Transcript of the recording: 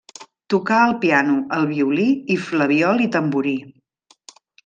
Tocà el piano, el violí, i flabiol i tamborí.